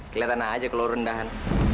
kelihatan aja kalau rendahan